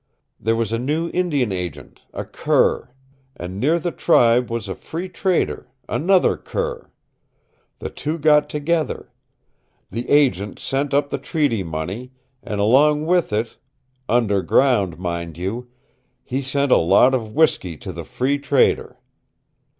There was a new Indian Agent, a cur. And near the tribe was a Free Trader, another cur. The two got together. The Agent sent up the Treaty Money, and along with it underground, mind you he sent a lot of whiskey to the Free Trader.